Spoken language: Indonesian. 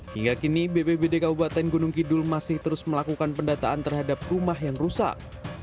hingga kini bpbd kabupaten gunung kidul masih terus melakukan pendataan terhadap rumah yang rusak